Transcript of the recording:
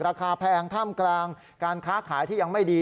ราคาแพงถ้ำกลางการค้าขายที่ยังไม่ดี